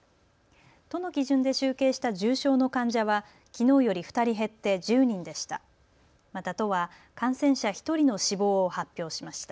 都の基準で集計した重症の患者はきのうより２人減って１０人でした。